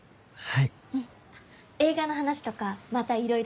はい。